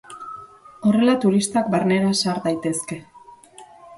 Horrela turistak barnera sar daitezke.